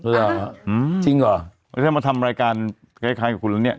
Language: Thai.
เหรอจริงเหรอแล้วถ้ามาทำรายการคล้ายกับคุณแล้วเนี่ย